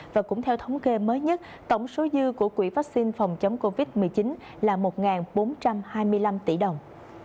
và cũng theo thống kê mới nhất tổng số dư của quỹ vaccine phòng chống covid một mươi chín là một bốn trăm hai mươi năm tỷ đồng